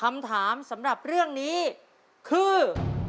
คำถามสำหรับเรื่องนี้คือ